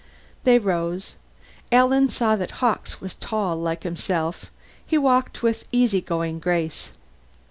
They rose. Alan saw that Hawkes was tall, like himself; he walked with easygoing grace.